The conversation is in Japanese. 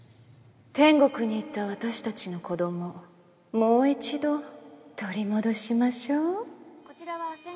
天国に行った私たちの子どももう一度取り戻しましょうこちらは線画ベースの。